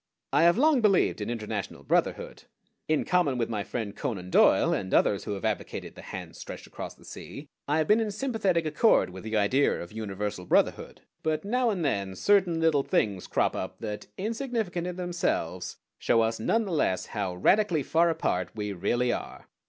I have long believed in international brotherhood. In common with my friend Conan Doyle and others who have advocated the hands stretched across the sea, I have been in sympathetic accord with the idea of universal brotherhood; but now and then certain little things crop up that, insignificant in themselves, show us none the less how radically far apart we really are.